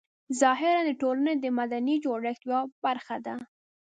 ظاهراً د ټولنې د مدني جوړښت یوه برخه ده.